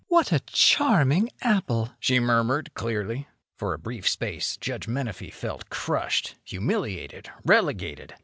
"What a charming apple!" she murmured, clearly. For a brief space Judge Menefee felt crushed, humiliated, relegated.